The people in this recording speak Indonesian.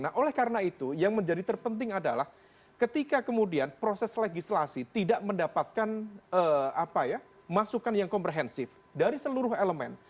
nah oleh karena itu yang menjadi terpenting adalah ketika kemudian proses legislasi tidak mendapatkan masukan yang komprehensif dari seluruh elemen